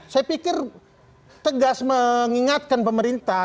saya pikir tegas mengingatkan pemerintah